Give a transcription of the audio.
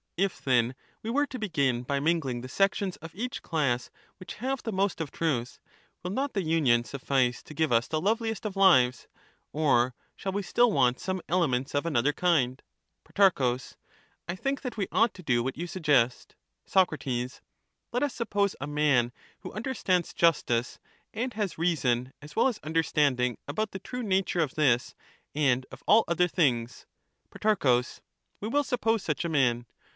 If, then, we were to begin by mingling the sections of each class which have the most of truth, will not the union suffice to give us the loveliest of lives, or shall we still want some elements of another kind ? Pro. I think that we ought to do what you suggest. 62 Soc. Let us suppose a man who understands justice, and has reason as well as understanding about the true nature of this and of all other things. Pro. We will suppose such a man.